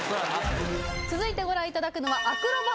続いてご覧いただくのは。